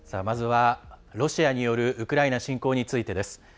まずはロシアによるウクライナ侵攻についてです。